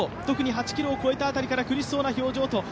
特に８ｋｍを超えた辺りから苦しそうな表情。